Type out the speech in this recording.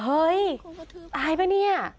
เฮ้ยตายป่ะเนี่ย